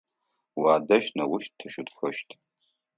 Уадэжь неущ тыщытхэщт.